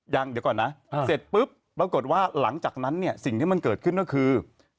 ยังเดี๋ยวก่อนนะเสร็จปุ๊บปรากฏว่าหลังจากนั้นเนี่ยสิ่งที่มันเกิดขึ้นก็คือ